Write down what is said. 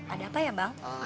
ada apa ya bang